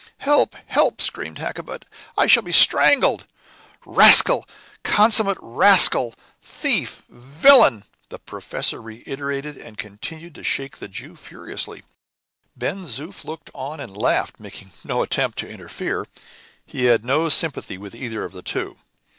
"Help! help!" screamed Hakkabut. "I shall be strangled." "Rascal! consummate rascal! thief! villain!" the professor reiterated, and continued to shake the Jew furiously. Ben Zoof looked on and laughed, making no attempt to interfere; he had no sympathy with either of the two.